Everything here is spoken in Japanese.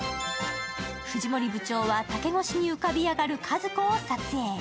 藤森部長は、竹越しに浮かび上がるかずこを撮影。